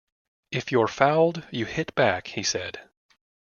If you're fouled, you hit back, he said.